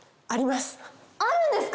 あるんですか？